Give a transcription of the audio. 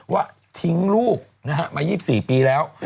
ว่าทิ้งลูกมา๒๔ปีแล้ว